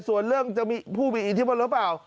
ส่วนเรื่องจะมีผู้มีอิทธิพลหรือเปล่า